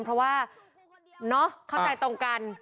เพราะว่าเข้าใจตรงกัน